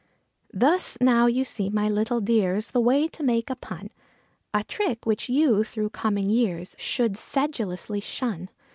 Thus now you see, my little dears, the way to make a pun; A trick which you, through coming years, should sedulously shun.